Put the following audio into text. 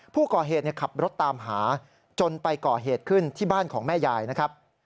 ผู้ก่อเหตุขับรถตามหาจนไปก่อเหตุขึ้นที่บ้านของแม่ยายนะครับ